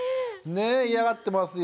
嫌がってますよ。